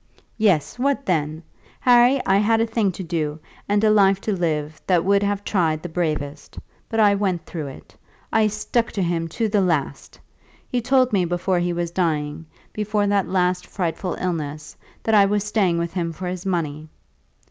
"Yes; what then? Harry, I had a thing to do, and a life to live, that would have tried the bravest; but I went through it. I stuck to him to the last! He told me before he was dying, before that last frightful illness, that I was staying with him for his money.